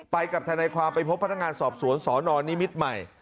กับทนายความไปพบพนักงานสอบสวนสนนิมิตรใหม่